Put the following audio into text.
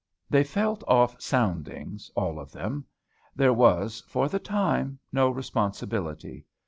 They felt off soundings, all of them. There was, for the time, no responsibility.